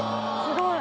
すごい！